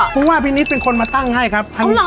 ผู้ว่าพี่นิดเป็นคนมาตั้งให้ครับ